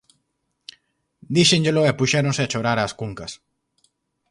Díxenllelo e puxéronse a chorar ás cuncas